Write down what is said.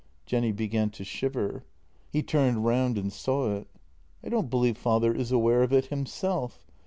" Jenny began to shiver. He turned round and saw it. " I don't believe father is aware of it himself.